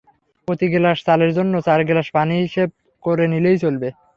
প্রতি গ্লাস চালের জন্য চার গ্লাস পানি হিসেব করে নিলেই চলবে।